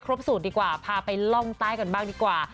สูตรดีกว่าพาไปล่องใต้กันบ้างดีกว่า